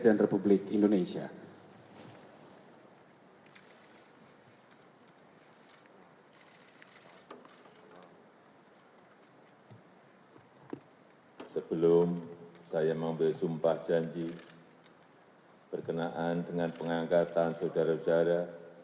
sebelum saya mengambil sumpah janji berkenaan dengan pengangkatan saudara saudara